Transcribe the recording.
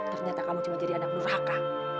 ternyata kamu cuma jadi anak durhaka